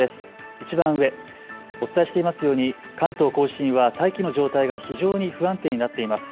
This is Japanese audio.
いちばん上、お伝えしていますように関東甲信は大気の状態が非常に不安定になっています。